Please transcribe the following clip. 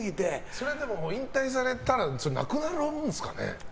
それは引退されたらなくなるもんですかね？